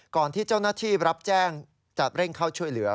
ก่อนที่เจ้าหน้าที่รับแจ้งจะเร่งเข้าช่วยเหลือ